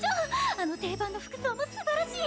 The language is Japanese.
あの定番の服装もすばらしい！